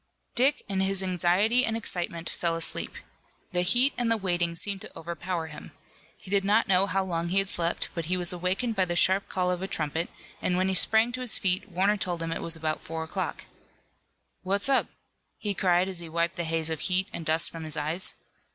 Dick, in his anxiety and excitement, fell asleep. The heat and the waiting seemed to overpower him. He did not know how long he had slept, but he was awakened by the sharp call of a trumpet, and when he sprang to his feet Warner told him it was about four o'clock. "What's up?" he cried, as he wiped the haze of heat and dust from his eyes.